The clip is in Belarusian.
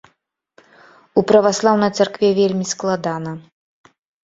У праваслаўнай царкве вельмі складана.